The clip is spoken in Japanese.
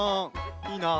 いいな。